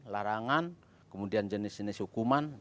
larangan kemudian jenis jenis hukuman